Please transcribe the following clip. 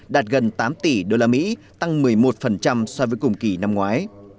đạt gần tám tỷ usd tăng một mươi một so với cùng kỳ năm ngoái